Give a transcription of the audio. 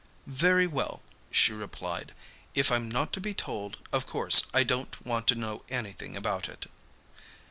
'Very well,' she replied, 'if I'm not to be told, of course I don't want to know anything about it.